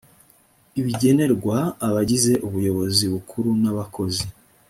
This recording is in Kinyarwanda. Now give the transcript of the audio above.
ibigenerwa abagize ubuyobozi bukuru n abakozi